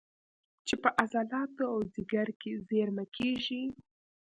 چې په عضلاتو او ځیګر کې زېرمه کېږي